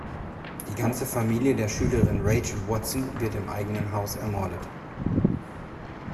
Die ganze Familie der Schülerin Rachel Watson wird im eigenen Haus ermordet.